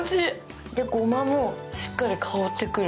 ごまもしっかり香ってくる。